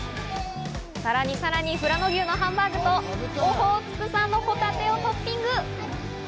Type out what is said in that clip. さらにさらに富良野牛のハンバーグとオホーツク産のホタテをトッピング。